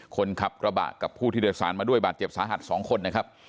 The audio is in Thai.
คนขับกระบะกับผู้ที่โดยสารมาด้วยบาดเจ็บสาหัส๒คนนะครับ